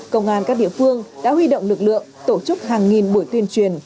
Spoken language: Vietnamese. công an các địa phương đã huy động lực lượng tổ chức hàng nghìn buổi tuyên truyền